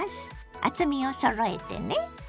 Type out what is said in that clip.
厚みをそろえてね。